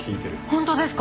本当ですか？